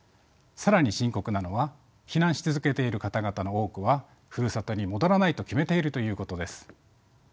更に深刻なのは避難し続けている方々の多くはふるさとに戻らないと決めているということです。